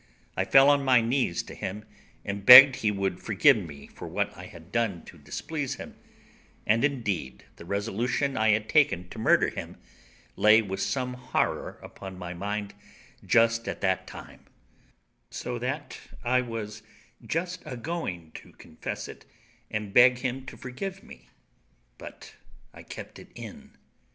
I fell on my knees to him, and begged he would forgive me what I had done to displease him; and indeed the resolution I had taken to murder him lay with some horror upon my mind just at that time, so that I was once just a going to confess it, and beg him to forgive me, but I kept it in.